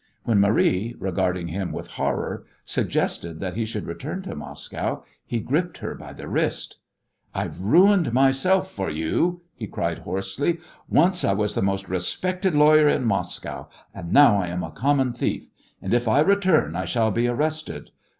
When Marie, regarding him with horror, suggested that he should return to Moscow, he gripped her by the wrist. "I've ruined myself for you," he cried hoarsely. "Once I was the most respected lawyer in Moscow, now I am a common thief, and if I return I shall be arrested.